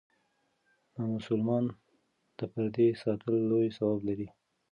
د مسلمان د پردې ساتل لوی ثواب لري.